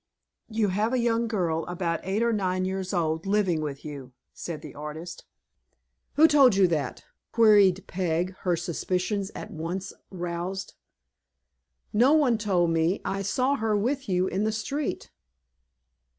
"You have a young girl, about eight or nine years old, living with you," said the artist. "Who told you that?" queried Peg, her suspicions at once roused. "No one told me. I saw her with you in the street."